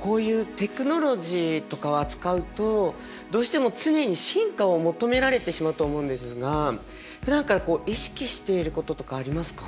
こういうテクノロジーとかを扱うとどうしても常に進化を求められてしまうと思うんですがふだんから意識していることとかありますか？